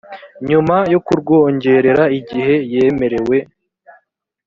nyuma yo kurwongerera igihe yemerewe